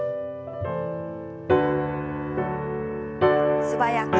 素早く。